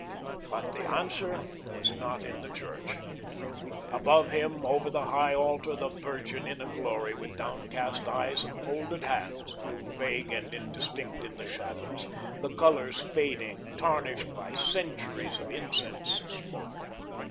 But the Answer was not in the church. Above him, over the high altar, the Virgin in a glory, with downcast eyes and folded hands, grew vague and indistinct in the shadow, the colours fading, tarnished by centuries of incense smoke.